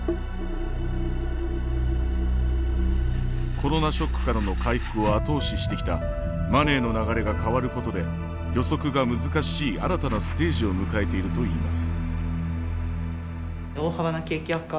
コロナショックからの回復を後押ししてきたマネーの流れが変わることで予測が難しい新たなステージを迎えているといいます。